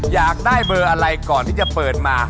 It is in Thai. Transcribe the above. อยากได้เบอร์อะไรก่อนที่จะเปิดมา